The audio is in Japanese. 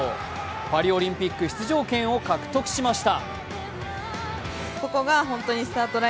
パリオリンピック出場権を獲得しました。